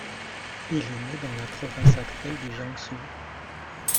Il est né dans la province actuelle du Jiangsu.